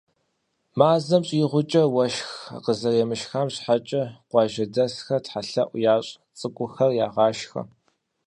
Мазэм щӏигъукӏэ уэшх къызэремышхам щхьэкӏэ, къуажэдэсхэм Тхьэлъэӏу ящӏ, цӏыкӏухэр ягъашхьэ.